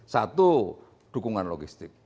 satu dukungan logistik